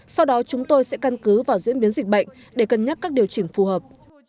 sau đó chúng tôi sẽ căn cứ vào diễn biến dịch bệnh để cân nhắc các điều chỉnh phù hợp